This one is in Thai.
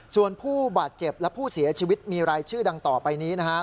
ส่วนผู้บาดเจ็บและผู้เสียชีวิตมีรายชื่อดังต่อไปนี้นะครับ